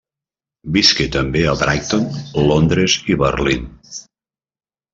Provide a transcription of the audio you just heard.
Visqué també a Brighton, Londres i Berlín.